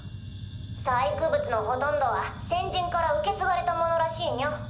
細工物のほとんどは先人から受け継がれたものらしいニャ。